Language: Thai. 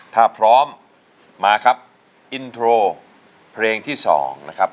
ถ้าพร้อมมาครับอินโทรเพลงที่๒นะครับ